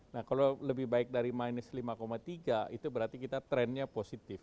nah kalau lebih baik dari minus lima tiga itu berarti kita trennya positif